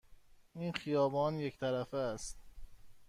این خیابان یک طرفه است.